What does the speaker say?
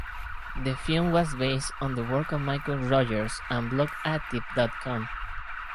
The film was based on the work of Michael Rogers and BlogActive dot com.